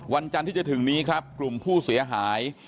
วันจันทร์ที่จะถึงนี้ครับกลุ่มผู้เสียหาย